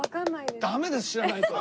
ダメです知らないと。